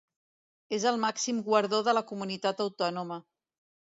És el màxim guardó de la comunitat autònoma.